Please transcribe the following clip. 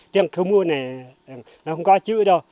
tiếng khơ mú này nó không có chữ đâu